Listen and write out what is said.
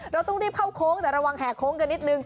เราต้องรีบเข้าโค้งแต่ระวังแห่โค้งกันนิดนึง